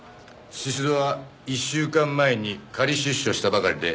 宍戸は１週間前に仮出所したばかりでつまり。